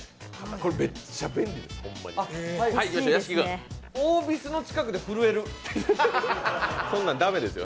これ、めっちゃ便利ですよ。